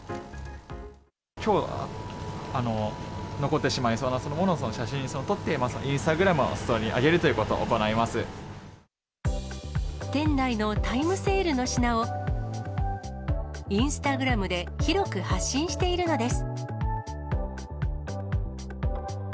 きょう、残ってしまいそうなものを写真に撮って、インスタグラムに上げる店内のタイムセールの品を、インスタグラムで広く発信しているのです。